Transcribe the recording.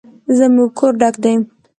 زموږ کور ډک دی